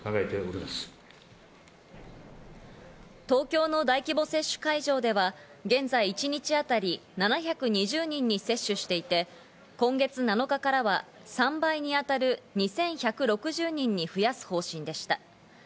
東京の大規模接種会場では現在一日当たり７２０人に接種していて、今月７日からは３倍に当たる２１６０人に増やす方針でした。